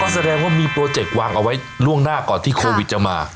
แสดงว่ามีโปรเจกต์วางเอาไว้ล่วงหน้าก่อนที่โควิดจะมา